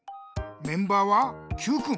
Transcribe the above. メンバーはＱくん。